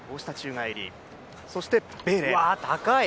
そしてベーレ。